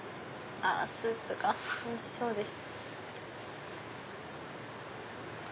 スープがおいしそうです。